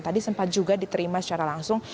tadi sempat juga diterima secara langsung